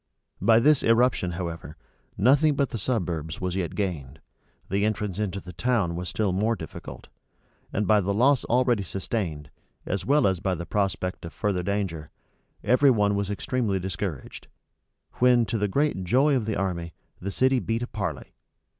By this irruption, however, nothing but the suburbs was yet gained: the entrance into the town was still more difficult: and by the loss already sustained, as well as by the prospect of further danger, every one was extremely discouraged; when, to the great joy of the army, the city beat a parley.